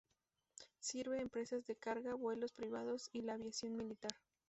Sirve a empresas de carga, vuelos privados y la aviación militar.